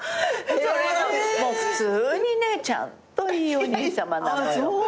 普通にねちゃんといいお兄さまなのよ。